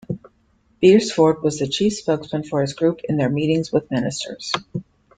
Beresford was the chief spokesman for his group in their meetings with Ministers.